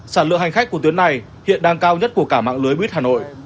sản lượng hành khách của tuyến này hiện đang cao nhất của cả mạng lưới buýt hà nội